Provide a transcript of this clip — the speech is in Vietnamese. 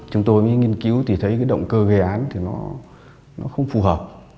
chúng tôi mới nghiên cứu thì thấy cái động cơ gây án thì nó không phù hợp